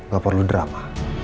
gak perlu drama